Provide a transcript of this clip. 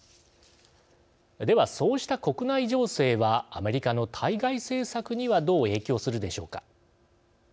では、そうした国内情勢はアメリカの対外政策にはどう影響するでしょうか。